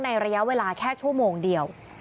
ระยะเวลาแค่ชั่วโมงเดียว